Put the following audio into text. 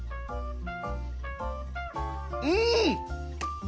うん！